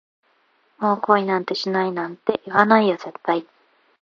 もう恋なんてしないなんて、言わないよ絶対